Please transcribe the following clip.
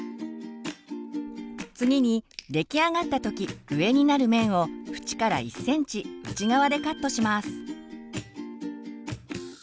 次に出来上がった時上になる面を縁から１ｃｍ内側でカットします。